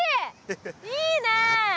いいねえ！